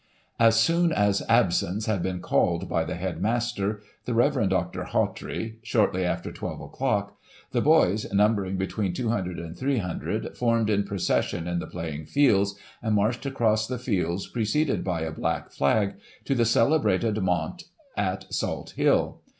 " As soon as ' absence ' had been called by the head master, the Rev. Dr. Hawtrey, shortly after 12 o'clock, the boys, numbering between 200 and 300, formed in procession in the playing fields, and marched across the fields, preceded by a black flag, to the celebrated mount at Salt Hill.